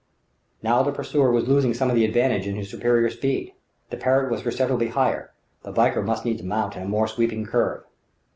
Now the pursuer was losing some of the advantage of his superior speed; the Parrott was perceptibly higher; the Valkyr must needs mount in a more sweeping curve.